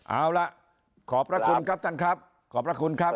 เอาล่ะขอบพระคุณครับท่านครับขอบพระคุณครับ